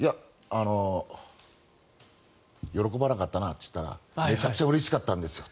喜ばなかったなと言ったらめちゃくちゃうれしかったんですよと。